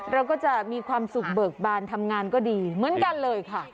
เราก็จะมีความสุขเบิกบานทำงานก็ดีเหมือนกันเลยค่ะ